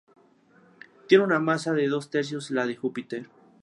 Tiene una masa de dos tercios la de Júpiter.